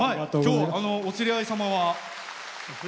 お連れ合い様は？